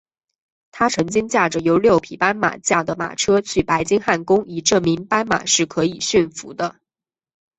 他曾经驾着由六匹斑马驾的马车去白金汉宫以证明斑马是可以驯服的。